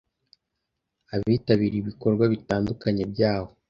abitabira ibikorwa bitandukanye byaho